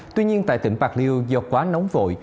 tuy nhiên tại tỉnh bạc liêu do quá nóng vội